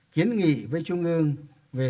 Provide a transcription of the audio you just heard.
kiến nghị với trung ương về